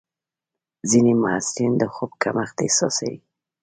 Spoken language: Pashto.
ځینې محصلین د خوب کمښت احساسوي.